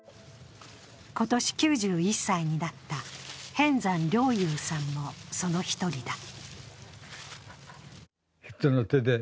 今年９１歳になった平安山良有さんもその一人だ。